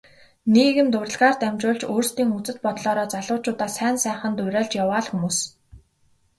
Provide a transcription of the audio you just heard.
Нийгэмд урлагаар дамжуулж өөрсдийн үзэл бодлоороо залуучуудаа сайн сайханд уриалж яваа л хүмүүс.